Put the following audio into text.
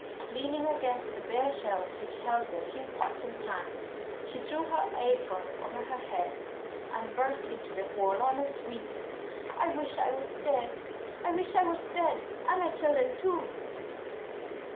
Leaning against the bare shelves which held their few pots and pans, she threw her apron over her head and burst into the forlornest weeping. "I wish I was dead; I wish I was dead, an' the chillen too!"